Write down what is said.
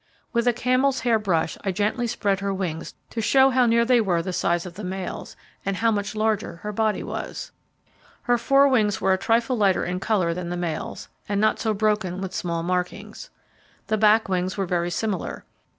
With a camel'shair brush I gently spread her wings to show how near they were the size of the male's, and how much larger her body was. Her fore wings were a trifle lighter in colour than the male's, and not so broken with small markings. The back wings were very similar.